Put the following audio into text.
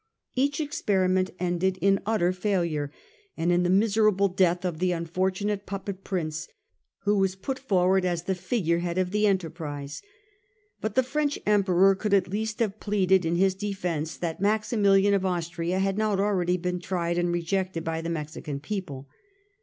Each experiment ended in utter failure, and in the miserable death of the unfor tunate puppet prince who was put forward as the figure head of the enterprise. But the French Emperor could at least have pleaded in his defence that Maximilian of Austria had not already been tried and rejected by the Mexican people.